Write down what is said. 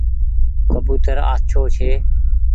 ڪبوتر آڇو ڇي۔